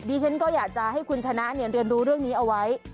ดิฉันก็อยากจะให้คุณชนะเรียนรู้เรื่องนี้เอาไว้